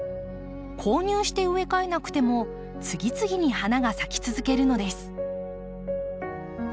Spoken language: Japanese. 購入して植え替えなくても次々に花が咲き続けるのです。